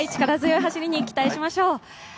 力強い走りに期待しましょう。